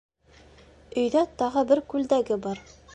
Өйҙә тағы бер күлдәге бар.